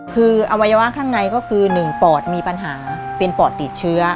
คืออวัยวะข้างในก็คือ๑ปอดมีปัญหาเป็นปอดติดเชื้อ